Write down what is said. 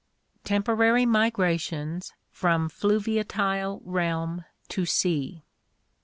Temporary Migrations from Fluviatile Realm to Sea.